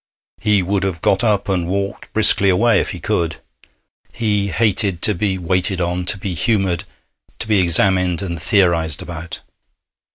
He would have got up and walked briskly away if he could. He hated to be waited on, to be humoured, to be examined and theorized about.